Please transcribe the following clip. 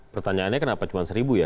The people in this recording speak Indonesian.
pertanyaannya kenapa cuma seribu ya